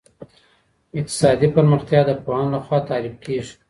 اقتصادي پرمختيا د پوهانو لخوا تعريف کيږي.